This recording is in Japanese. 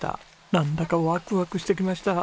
なんだかワクワクしてきました！